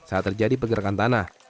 saat terjadi pergerakan tanah